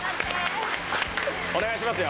お願いしますよ